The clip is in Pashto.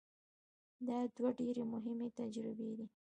دا دوه ډېرې مهمې تجربې دي.